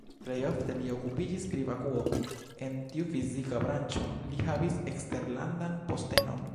Plej ofte li okupiĝis pri vakuo, en tiu fizika branĉo li havis eksterlandan postenon.